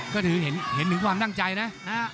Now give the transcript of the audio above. ก็ถือเห็นความนั่งใจนะ